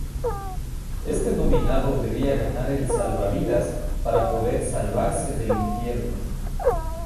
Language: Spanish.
Este nominado debía ganar el "salvavidas" para poder salvarse del infierno.